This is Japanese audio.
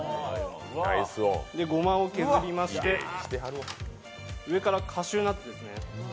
で、ごまを削りまして上からカシューナッツ。